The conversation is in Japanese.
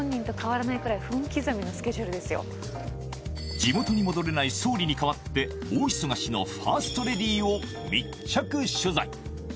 地元に戻れない総理に代わって大忙しのファーストレディーを密着取材。